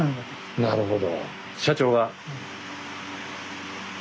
なるほど。